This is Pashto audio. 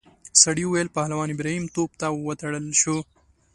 سړي وویل پهلوان ابراهیم توپ ته وتړل شو.